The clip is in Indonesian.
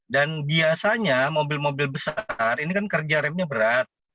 dan biasanya mobil mobil besar ini kan kerja remnya berat